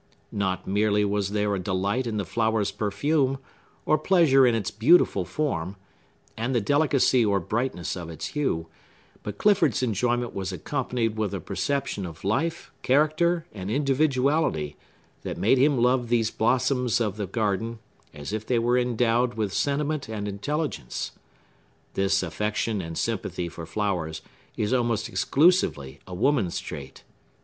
Not merely was there a delight in the flower's perfume, or pleasure in its beautiful form, and the delicacy or brightness of its hue; but Clifford's enjoyment was accompanied with a perception of life, character, and individuality, that made him love these blossoms of the garden, as if they were endowed with sentiment and intelligence. This affection and sympathy for flowers is almost exclusively a woman's trait.